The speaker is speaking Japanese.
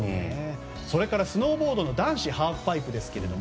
それからスノーボードの男子ハーフパイプ。